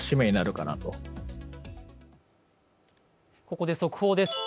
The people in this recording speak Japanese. ここで速報です。